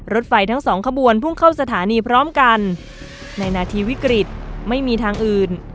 รถไฟทั้งสองขบวนพุ่งเข้าสถานีพร้อมกันในนาทีวิกฤตไม่มีทางอื่น